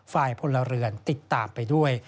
พลเรือนติดตามไปด้วย